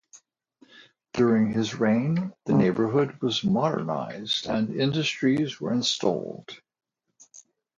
During his reign the neighborhood was modernized and industries were installed.